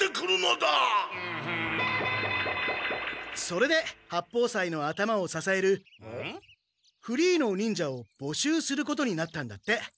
それで八方斎の頭をささえるフリーの忍者をぼ集することになったんだって。